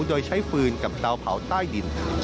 โดยใช้ฟืนกับเตาเผาใต้ดิน